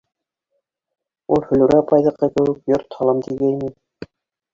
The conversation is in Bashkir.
Ул Флүрә апайҙыҡы кеүек йорт һалам тигәйне.